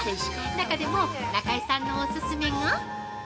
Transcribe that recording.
中でも中井さんのオススメが。